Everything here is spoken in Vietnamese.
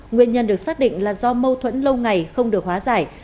nguyên nhân được xác định là do mâu thuẫn lâu ngày không được hóa giải